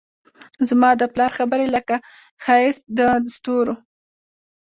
زما د پلار خبرې لکه ښایست دستورو